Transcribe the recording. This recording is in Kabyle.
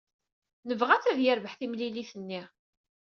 Nebɣa-t ad yerbeḥ timlilit-nni.